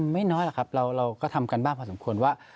ไม่น้อยหรอกครับเราก็ทำกันบ้างพอสมควรว่า